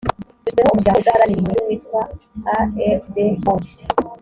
dushyizeho umuryango udaharanira inyungu witwa ardo